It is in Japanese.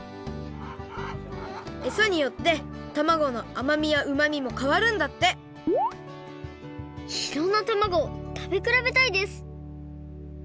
えさによってたまごのあまみやうまみもかわるんだっていろんなたまごをたべくらべたいです！